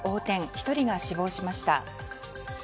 １人が死亡しました。